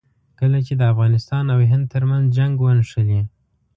کله چې د افغانستان او هند ترمنځ جنګ ونښلي.